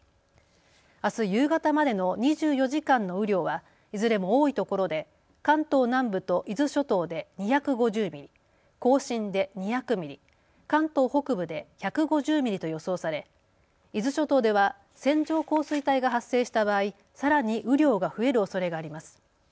あす夕方までの２４時間の雨量はいずれも多いところで関東南部と伊豆諸島で２５０ミリ、甲信で２００ミリ、関東北部で１５０ミリと予想され伊豆諸島では線状降水帯が発生した場合、さらに雨量が増えるおそれがあります。